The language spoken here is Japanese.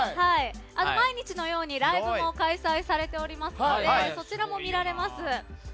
毎日のようにライブも開催されておりますのでそちらも見られます。